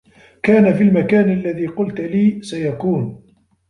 كان في المكان الذي قلت لي سيكون.